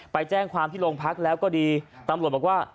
ไปแจ้งความที่โรงพักแล้วก็ดีตำรวจบอกว่า